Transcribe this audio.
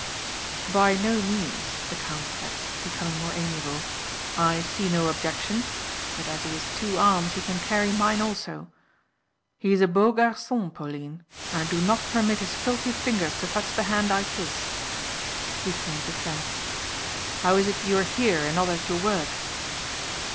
"By no means," the count said becoming more amiable. "I see no objection; but as he has two arms he can carry mine also. He is a beau garçon Pauline and I do not permit his filthy fingers to touch the hand I kiss." He turned to Trent. "How is it you are here and not at your work?"